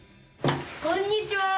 こんにちは